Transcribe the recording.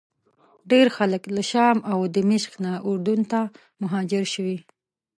ډېر خلک له شام او دمشق نه اردن ته مهاجر شوي.